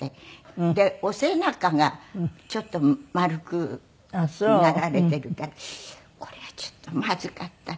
でお背中がちょっと丸くなられているからこれはちょっとまずかった。